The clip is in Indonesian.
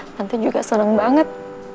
tante juga seneng banget